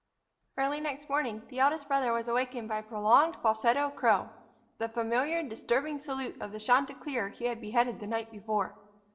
Early next morning the eldest brother was awakened by a prolonged falsetto crow, the familiar disturbing salute of the chanticleer he had beheaded the night before!